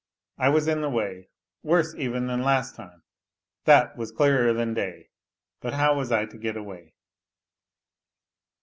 I was in the way, worse even than last time, that was clearer than day, but how was I to get away